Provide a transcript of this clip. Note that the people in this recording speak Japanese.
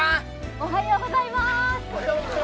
おはようございます。